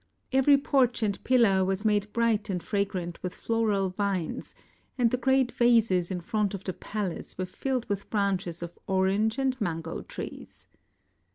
Even,' porch and pillar was made bright and fragrant with floral xines, and the great vases in front of the palace were filled with branches of orange and mango trees.